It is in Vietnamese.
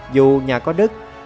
dù nhà có đất